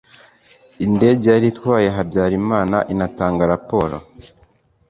indege yari itwaye habyarimana inatanga raporo